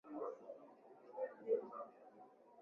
katika mazungumzo yanayoeleza kuwa yatajadili kwa kina